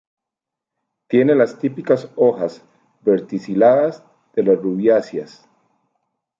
Tiene las típicas hojas verticiladas de las rubiáceas.